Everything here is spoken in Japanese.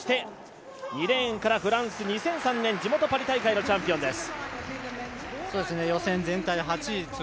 そして、２レーンからフランス２００３年地元パリ大会のチャンピオンです。